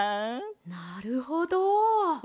なるほど。